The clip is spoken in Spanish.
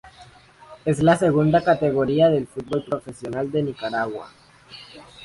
Es la segunda categoría del fútbol Profesional de Nicaragua.